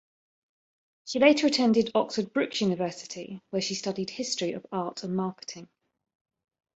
She later attended Oxford Brookes University, where she studied History of Art and Marketing.